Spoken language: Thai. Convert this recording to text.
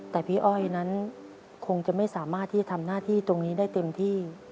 แต่พี่อ้อยนั้นคงจะไม่สามารถที่จะทำหน้าที่ตรงนี้ได้เต็มที่